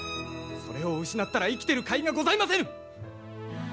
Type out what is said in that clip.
それを失ったら生きてるかいがございませぬ！